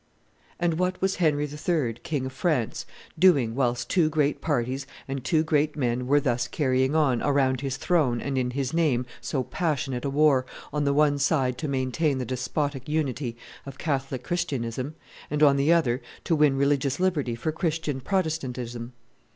] And what was Henry III., King of France, doing whilst two great parties and two great men were thus carrying on, around his throne and in his name, so passionate a war, on the one side to maintain the despotic unity of Catholic Christianism, and on the other to win religious liberty for Christian Protestantism?